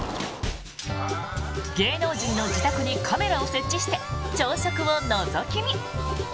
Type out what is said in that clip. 芸能人の自宅にカメラを設置して朝食をのぞき見。